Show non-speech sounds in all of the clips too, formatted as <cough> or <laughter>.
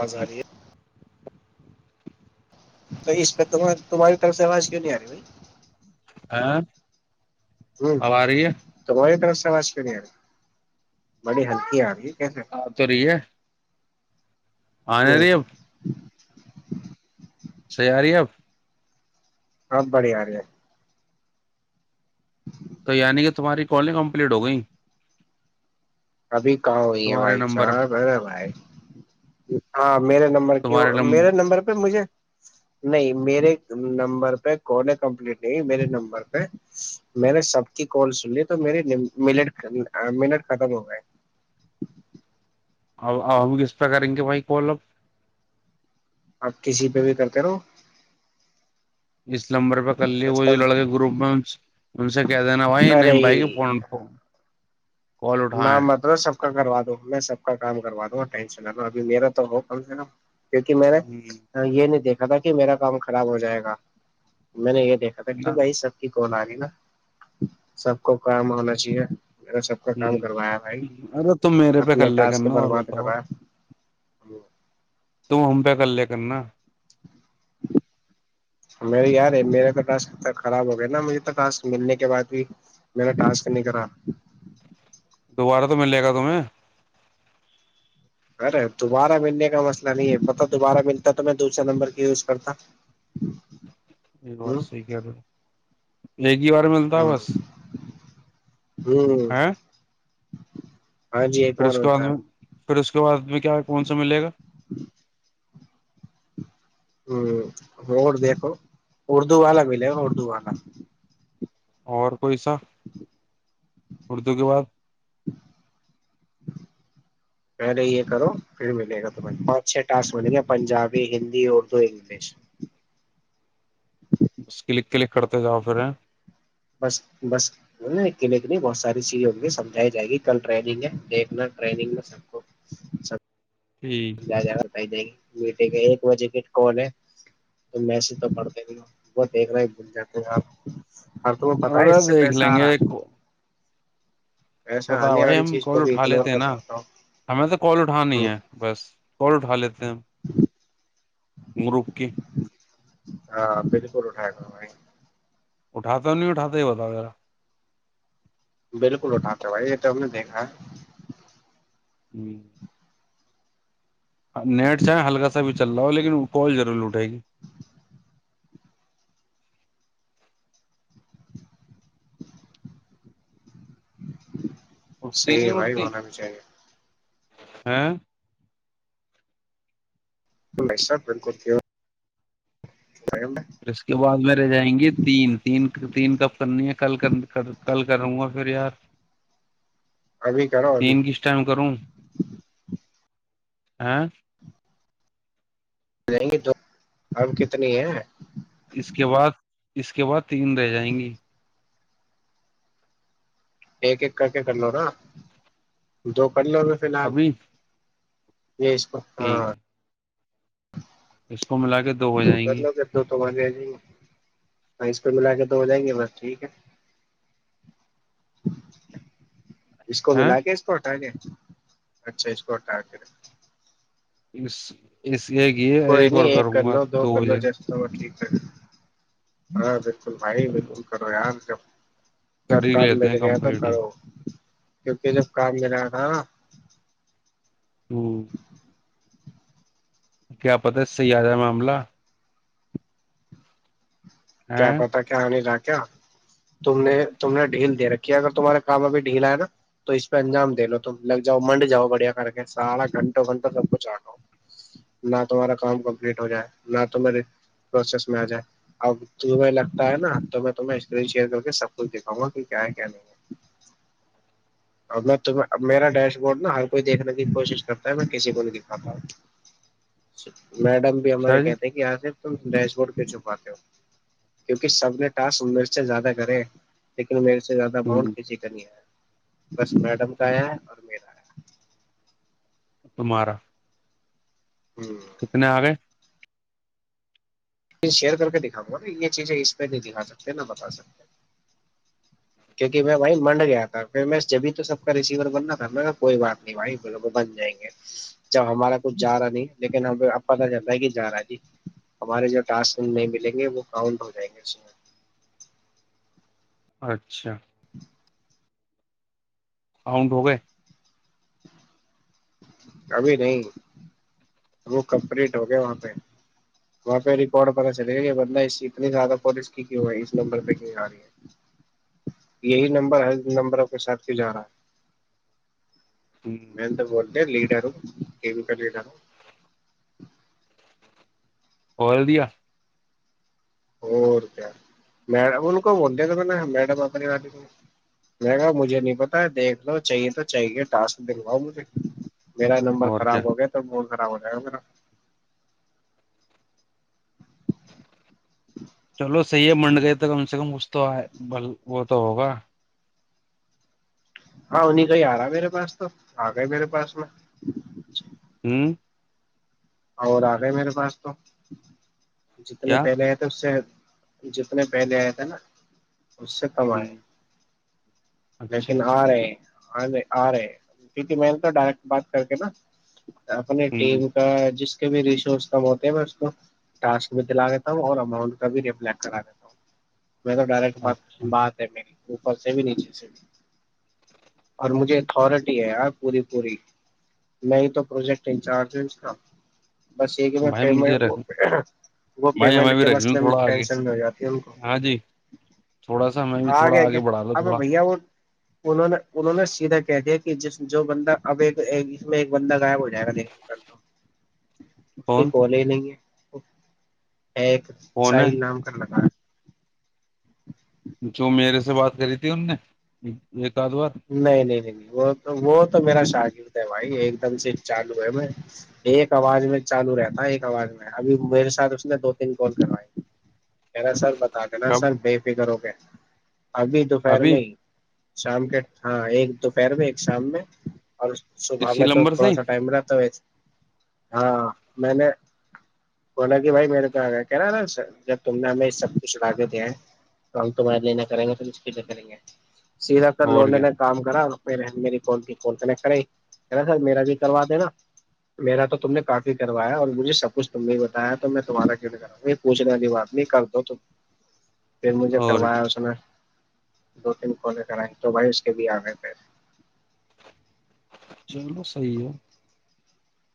آاز رہ ہے تو اس پہ ت تمہاری طرف سے آواز کیوں نہیں آ رہی بھائی ہاں ہ اب آ رہی ہے تواری طرس ج فری بڑی ہلکی آ رہی ہے کیسے آ تو رہی ہے ہ آنے رہی ہے، اب سیاری اب اب بڑی آ رہ ہے تو یعنی کہ تمہاری کالن کمپلیٹ ہو گئی ابھی کہاں ہوئی ہے بھائی پہ، صاحبر بھائی ہاں میرے نمبر کی میرے نمبر پہ مجھے نہیں میرے نمبر پہ کالیں کمپلیٹ نہیں میرے نمبر پہ میں نے سب کی کال سن لی تو میرری مٹ منٹ ختم ہو گئے اب ہم کس پہ کریں گے بھائی کوال اب آپ کسی پہ بھی کرتے رہو اس نمبر پہ ک لی وہ جو لڑکے کے گروپ میں ان سے کہہ دینا بھائی نہیں بھائی ارے فون کال نہ اٹھائیں مطلب سب کا کروا دو میں سب کا کام کروا دوں گا ٹینشن ل لوں ابھی میرا تو ہو کم سے کم کیونکہ میں نے ہ یہ نہیں دیکھا ا تھا کہ میرا کام خراب ہو جائے گا میں نے یہ دیکا تھا کیوں بائی سب گی نا سب کو کام ہونا چاہیے سب کا ہ کام کروایا بھائی ارے تم میرے پہ اپنا کلے ٹاسک کرنا اور برباد بتاؤ کرایا تم ہم پہ کلے کر کرنا میرے یار ہے میرے تو ٹک خراب ہو گیا نا مجھے تو ٹاک ملنے کے بعد بھی میر ٹاسک نہیں کرا دوبارہ تو مل جائے گا تمہیں ارے دوبارہ ملنے کا مسئلہ نہیں ہے پتا دوبارہ ملتا تو میں دوسرے نمبر کی یوز کرتا یہ ہ بات صحی کہ رہے ایک ہی بار ملتا ہے ہ بس ہ ہاں جی اتمار میںتا ہے پھر اس کے بعد میں کیا کون سا ملے گا ہ اور دیکھو اردو والا بھیلے گا اردو والا اور کوئی سا اردو کے بعد پہلے یہ کرو پھر ملے گا تمہیں پانچ چھ ٹاسک ملیں گے پنجابی ہندی اردو انگلش ب کلک کلک کرتے جاؤ پھر بس بس انے کے لی بہت ساری چیزیں ہوں گی سمجھائی جائے گی کل ٹریگ ہے دیکھنانگ میں سب کو ٹھ سمجھا جائے گا گی میٹگ ایک بجے کی کال ہے تو میس تو پڑ د گ وہ دیکھ رہے بول جاتے ہیں آپ ہر تو وہ پت ہے ارے اس سے دیکھ پیسہ آ رہا ہے پیسہ بتا آنے بھائی والی ہم چیز کال کو بھی اٹھا اگنور لیتے ہیں نا کرنا ہوتا ہمیں تو کال اٹھانی ہوں ہے بس کوٹ حال <unintelligible> ہم <inaudible> مرکی <inaudible> بالکل اٹھایا کرو بھائی اٹھاتے اور نہیں اٹھاتے یہ بتا میرا بالکل اٹاتے بھائی یہ تو ہم نے دیکھا ہے ہوں <inaudible> نیٹ چاہے ہلک سا بھی چل رہا ہو لیکن کال ضور لٹے گی <inaudible> اٹھتی صحی ہے بھائی ہونا بھی چاہیے ہاں <inaudible> ال نہیں سر بالکل تو پھر اس کے بعد میں رہ جائیں گے تین تین تین کپ کرنی ہے کل کل کروں گا پھر یار ابھی کرو ابھی تین کس ٹائم کروں ہ <inaudible> جائیں گے تو اب کتنی ہیں اس کے بعد اس کے بعد تین رہ جائیں گی ایک ایک کر کے کر لو نا دو پڑھ ل میں فی الحال ابھی ج اس کو ٹھیک ہاں <unintelligible> ہے، اس کو ملا کے دو ہو جائیں کر گی لو گے دو تو اس پ ملا کے تو ہو جائیں گے بس ٹھیک ہے اس کو ہ ملا کے اس کو ہٹا کے اچھا اس کو ہٹا کے اس <inaudible> اس یہ کہ یہ کوئی نہیں ریکارڈ ایک کر کروں گا لو دو کر لو بجے جس تو ٹھیک ہاں جے بالکل بھائی چلو بالکل کرو یار جب کر ہی کام لیتے مل ہیں گیا تو کمپلیٹ ہی کرو کیونکہ جب کام کرلاا تھا نا <unintelligible> ہوں <inaudible> کیا پتا ہے اس سےیارہ ہے معاملہ کیا ہے پت کیا آ <unintelligible> ر کیا تم نے تم نے ڈھیل دے رکھی ہے اگر تمہارے کام ابھی ڈھیل ہے نا تو اس پہ انجام دے لو تم لگ جاؤ منڈ جاؤ بڑھیا کر کے سارا گھنٹوں گھنٹوں سب کو چاٹو نہ تمہارا کام کمپلیٹ ہو جائے نہ تمے پروسیس میں آ جائے اب تہیں لگتا ہے نا تو میں تمہیں اسکرین شیئر کر کے سب کچھ دکھاؤں گا کہ کیا ہے کیا نہیں ہے اور میرا ڈیش بورڈ نا ہر کوئی دیکھنے کی کوشش کرتا ہے میں کسی کو نہیں دکھاتا ہ میڈم بھی ہمارے اچھا جی کہتے ہیں کہ آصف تم ڈیش بڈ پ چھپاتے ہو کیونکہ سب نے ٹاسک میرے سے زیادہ کرے لیکن مے سے س سے زیادہ باؤنڈ ہ کھیچے کر نہیں ہے <unintelligible> بس میڈم کا ہے ہے اور میرا ہے تمارا ہے ہ کتنے آ گئے شیئر کر کے دکھاؤں گا نا یہ چیزیں اس پہ نہیں دکھا سکتے نہ بتا سکتے کیونکہ میں بھائی منڈ گیا تھا پھر میں جبھی تو سب کا ریسیور بننا تھا نا کوئی بات نہیں بھائی ب بن جائیں گے جب ہمارا کچھ جا رہا نہیں لیکن ہم اب پت چلتا ہے کہ جا رہا ہے جی ہمارے جب ٹس نہیں ملیں گے وہ کاؤنٹ ہو جائیں گے اس میں اچھا کاؤنٹ ہو گئے کبھی نہیں وہ کمپلیٹ ہو گیا وہاں پہ وہاں پہ ریکارڈ پتا چلے گا کہ بندہ اس اتنی زیادہ پولیس کی کیوں ہوئی اس نمبر پہ کیوں آ رہی ہے یہی نمبر ہل نمبروں کے ساتھ کی جا رہا ہے ہ میں تو بول لیڈر ہ کی ر کر لیڈر ہ <unintelligible> اورل دیا <unintelligible> اور کیا مم ان کو بول د تو میڈم اپنے والی کوا مجھے نہیں پتا دیکھ لو چاہیے تو چاہیے ٹاسک د گاؤ مجھے میرا نمبر اور خراب کیا ہو گیا تو بول با ہو رہ میرا <unintelligible> چلو صحیح ہے منڈ گئے تو کم سے کم اس توئے ب وہ تو ہوگا ہاں ان نہیںیں کہئی آ رہا ہے میرے پاس تو آ گئے میرے پاس میں ہوں اور آ گئے میرے پاس تو جتنے کیا پہلے ہیں تھے اس سے جتنے پہلے آئے تھ نا اس سے کم ہ آئے اچھا لیکن آ رہے ہیں آے آ رہے پ میں نے تو ڈائریکٹ بات کر کے نا تپ ہ ٹیم کا جس کے بھی ریسورس کم ہوتے میں اس کو ٹسک بھی دلا دیتا ہوں اور اماؤنٹ کا بھی رپل کرا دیتا ہوں میں تو ڈائریکٹ بات اچھا بات ہے میری اوپر سے بھی نیچے سے بھی اور مجھے اتھارٹی ہے یار پوری پوری میں ہی تو پروجیکٹ انچارج ہ ن بس یہ کہ بھائی میں مجھے رکھ پ وہ بھائی پیمنٹ ہمیں بھی کے رکھ لوں مسئلے میں تھوڑا آگے ٹینشن نہیں ہو جاتی ان کو ہاں جی تھوڑا سا ہمیں بھی تھوڑا آگے بڑھا لو ا تھوڑا بھیا وہ انہوں نے انہوں نے سیدھا کہہ دیا کہ ج جو بندہ اب ایک ج میں ایک بندہ غائب ہو جائے گا دیکھنے کا تو اس کے فون کالج نہیں ہے <unintelligible> ایک فون ہے سائن نام کا لگا <unintelligible> جو میرے سے بات کری تھی ان نے ایک آدھ بار نہیں نہیں نہیں نہیں وہ تو وہ تو میرا شاگگررد ہے بھائی ایک دم سے چالو ہے میں ایک آواز میں چالو رہتا ایک آواز میں ابھی میرے ساتھ اس نے دو تین کال کروائیا سر نا کب سر بے فکر ہو گے ابھی دوپہر ابھی میں ہی شام کے ہاں ایک دوپہر میں ایک شام میں اور صبح اسی میں تو نمبر سے تھوڑا ہی سا ٹائم رہتا ویس ہاں میں نے بولا کہ بھائی میرے پ کہہ رہا نا جب تم نے ہمیں سب کچھ لا کے دیا ہے تو ہم تمہارے لیے نہ کریں گے توے کریں گے سیدھا اور لونے کیا نے کام کراا م کنٹ کر نا سر میرا بھی کروا دینا میرا تو تم نے کافی کروایا اور مجھے سب کچھ تم نے بتایا تو میں تمہارا کیوں نہیںا پوچھنے وال بات نہیں کر دو تم پھر مجھے اور کیا کروایا اس نے دو تین کولے کرائیں تو بھائی اس کے بھی آ گئے پے چلو صحیح ہے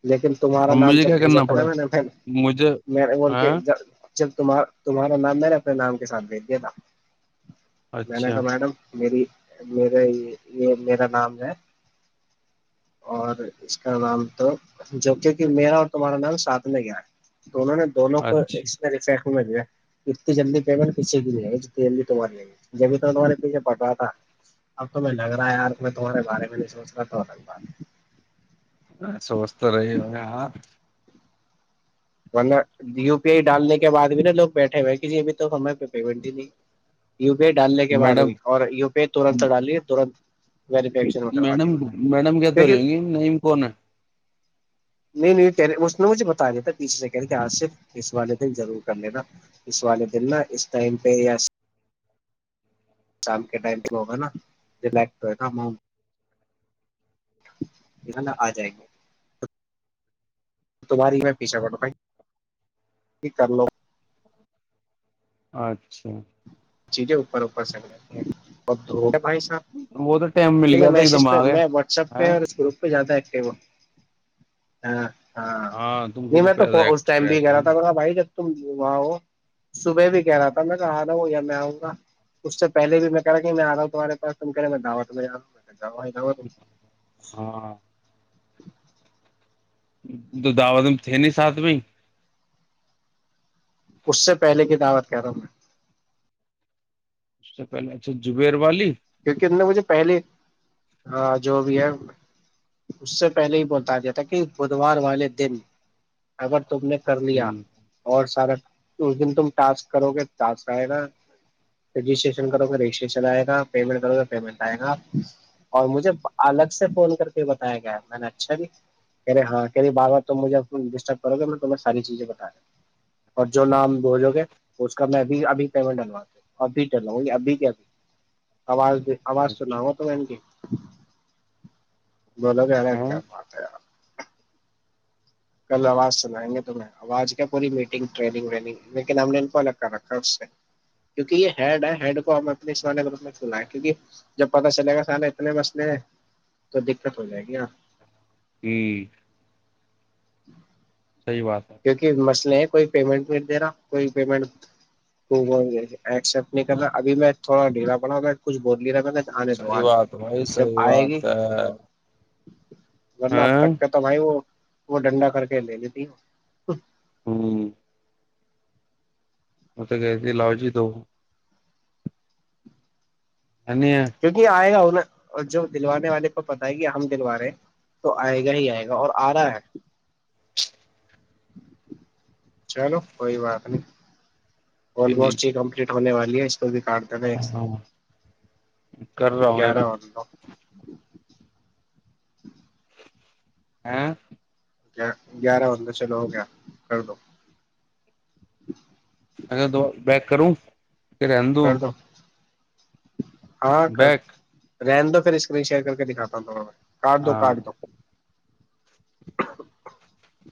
لیکن تمہارا اب نام مجھے جب کیا بھیجا کرنا تھا نا پڑا میں نے پھر ہے؟ مجھے میں نے بول کے ہاں جب تمہارا نام میں نے اپنے نام کے ساتھ بھیج دیا تھا میں نے اچھا تو میڈم میری میرا یہ میرا نام ہے اور اس کا نام تو جبکہ کہ میرا اور تمہارا نام ساتھ لے گیا ہے تو انہوں نے دونوں کو ایک اچھا تمہارے پیچھے پڑ رہا تھا اب تو میں لگ رہا ہے یار میں تمہارے بارے میں نہیں سوچ رہا تھا ایسوس تو رہی ہو ہاں ڈالنے کے بعد بھی نا لوگ بیٹھے ہوئے ہیں کہ جی ابھی تو ہمیں پیمنٹ ہی نہیں ڈالنے کے بعد میڈم بھی اور یو پی تھوڑا ڈال لیا ترن میڈم میڈم کہ تو کیونکہ رہیں گے نعیم کون ہے نہیں نہیں کہہ رہے ہیں اس نے مجھے بتا دیا تھا اس سیکنڈ کے اصف اس والدین ضرور کر لینا اس والے دن نا اس ٹائم پہ یا کے ٹائم تک ہوگا نا ا جائیں گے تمہاری میں پیچا کر پ کر لو اچھا <unintelligible> اچھا <unintelligible> چیزیں اوپر اوپر س جتی ہیں اور بھائی وہ تو ٹائم صاحب مل یہ گیا تھا ایک میسج دم پہ آ گئے میں واٹسپ پہ ہاں اور اس گروپ پہ جاتا ہے <unintelligible> ہاں <unintelligible> ہاں تم نہیں میں گروپ پہ تو اس ایکٹ ٹائم بھی گ رہتے ہو رہا نا تھاا بھائی جب تم وہاں ہو صبح بھی کہہ رہا تھا میں آا ہوں یا میں آؤںا اس سے پلے بھی میں کہ رہا کہ میں آ رہا ہوں تمہارے پس تم کہہے میں دعوت میں جا ہ گا <unintelligible> ج ج تو <unintelligible> ج <unintelligible> ہاں تو دعوت میں تھے نہیں ساتھ میں ہی اس سے پہلے کی دعوت کہہ رہا ہوں میں سب سے پہلے اچھا جبیر والی کیونکہ ان نے مجھے پہلے جو بھی ہے اس سے پہلے ہی بولتا دیا تھا کہ بدوار والے دن اگر تم نے کر لیا ہ اور سارا اس دن تم ٹاسک کرو گے ٹاسک آئے گا رجسٹریشن کرو گے رجسٹریشن آئے گا پیمنٹ کرو گے پیمنٹ آئے گا اور مجھے الگ سے فون کر کے بتایا گ میں نے اچھا بھی کہہے ہاں کہہی بار بار تم مجھے ڈسٹرب کرو گے میں تمہیں ساری چیزیں بتا رہا ہ اور جو نام بجو گے اس کا میں اب ابھی پیمنٹ ڈنواتےوں اب ڈلواؤں گی ابھی کے ابھی آواز <unintelligible> آواز سنا اچھا ہوا تو میں ان کے <inaudible> بولو گ یارا ہاں کیا بات ہے ار کل آواز سنائیں گے تو آواز کے پوری میٹنگ ٹریگ ونگ لیکن ہم نے ان کو الگ کر رکھا ہے اس سے کیکہ یہ ہیڈ ہے ہیڈ کو ہم اپنے سمانے روپ میں چنا ہے کیک جب پتا چلے گا سارے اتنے مسئل ہیں تو دقت ہو جائے گی ن ہ <unintelligible> صحیح بات ہے کیونکہ مچ نہیں کوئی پیمنٹ نہیں دے رہا کوئی پیمنٹ ایکسپٹ نہیں کر رہا ابھی میں تھوڑا ڈھیلا پڑا ا کچھ بول ل رہا <unintelligible> صحی آنے دو بات بھائی جب صحی آئے بات گی ہے ورنہ اب ہاں تک کا تو بھائی وہ وہ ڈنڈا کر کے لے لیتی ہ ہچ <unintelligible> ہاں م تو گ ت لاالجی دو نہیں ہے کیونکہ یہ آئے گا جو دلوانے والے کو پتا ہے کہ ہم دلوا رہے ہیں تو آئے گا ہی آئے گا اور آ رہا ہے <unintelligible> چلو کوئی بات نہیں <unintelligible> ٹھیک آلموسٹ یہ کمپلیٹ ہونے والی ہے اس بھی کاٹتے نہیں ہاں کر رہا ہوں گیارہ میرا وال <unintelligible> ج <unintelligible> ہاں گ گیارہ بدہ چلو ہو گیا کر دو ا دو بیک کروں پھرد کر دو ہاں کر رہینن دو پھر اسکرین شیئر کر دکھاتا ہوں تھوڑا کاٹ دو ہاں کاٹ دو <inaudible>